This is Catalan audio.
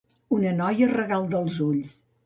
Una noia regal dels ulls.